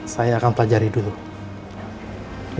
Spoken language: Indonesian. saya akan pelajari dulu